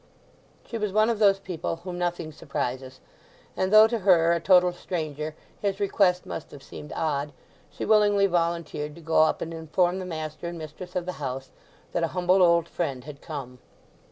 She was one of those people whom nothing surprises, and though to her, a total stranger, his request must have seemed odd, she willingly volunteered to go up and inform the master and mistress of the house that "a humble old friend" had come.